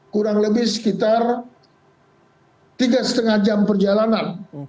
kurang lebih sekitar tiga lima jam perjalanan